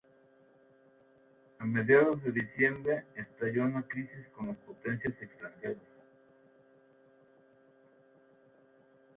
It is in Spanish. A mediados de diciembre, estalló una crisis con las potencias extranjeras.